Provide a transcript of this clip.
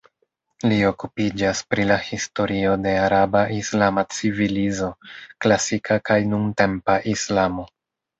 Li okupiĝas pri la historio de araba-islama civilizo, klasika kaj nuntempa islamo.